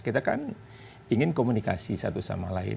kita kan ingin komunikasi satu sama lain